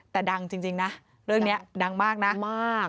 แต่ดังจริงนะเรื่องนี้ดังมากนะ